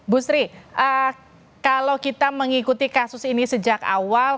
bu sri kalau kita mengikuti kasus ini sejak awal